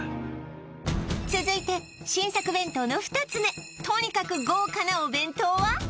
続いて新作弁当の２つ目とにかく豪華なお弁当は？